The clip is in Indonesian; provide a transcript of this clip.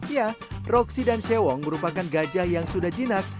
ya roksi dan sewong merupakan gajah yang sudah jinak